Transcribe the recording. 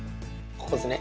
ここですね。